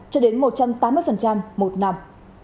cho đến một trăm tám mươi một năm